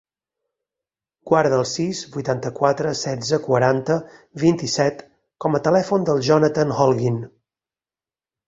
Guarda el sis, vuitanta-quatre, setze, quaranta, vint-i-set com a telèfon del Jonathan Holguin.